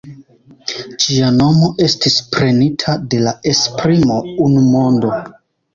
Ĝia nomo estis prenita de la esprimo "unu mondo".